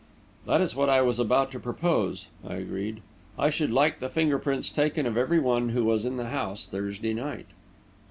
"That is what I was about to propose," I agreed. "I should like the finger prints taken of every one who was in the house Thursday night."